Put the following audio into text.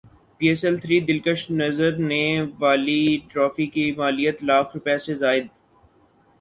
پی S L three دلکش نظر نے والی ٹرافی کی مالیت لاکھ روپے سے زائد